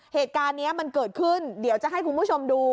เหตุการณ์นี้มันเกิดขึ้นเดี๋ยวจะให้คุณผู้ชมดู